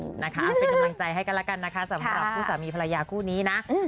เอาเป็นกำลังใจให้กันแล้วกันนะคะสำหรับคู่สามีภรรยาคู่นี้นะ